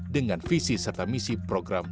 dengan visi serta misi program